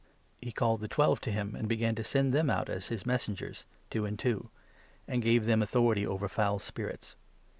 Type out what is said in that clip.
He called the Twelve to him, 7 Apostles. ant] began to send them out as his Messengers, two and two, and gave them authority over foul spirits.